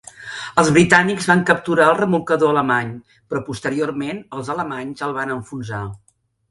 Els britànics van capturar el remolcador alemany, però posteriorment els alemanys el van enfonsar.